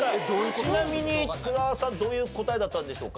ちなみに福澤さんどういう答えだったんでしょうか？